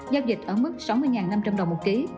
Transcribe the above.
giao dịch ở mức sáu mươi năm trăm linh đồng một ký